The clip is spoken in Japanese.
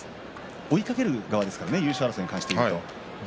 追いかける側ですからね優勝争いに関して言うと。